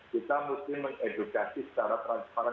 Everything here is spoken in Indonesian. kita mesti mengedukasi secara transparan